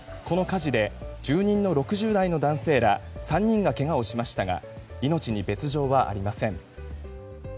この火事で住人の６０代の男性ら３人がけがをしましたが命に別条はありません。